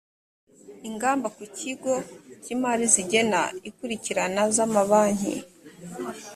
ingamba ku kigo cy imari zigena ikurikirana zamabanki